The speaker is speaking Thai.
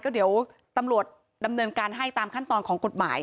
ก็เดี๋ยวตำรวจดำเนินการให้ตามขั้นตอนของกฎหมาย